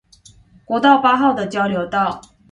國道八號的交流道